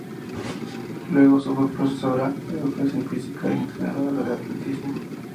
Luego fue profesora de educación física y entrenadora de atletismo.